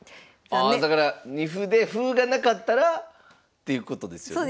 ああだから二歩で歩がなかったらっていうことですよね？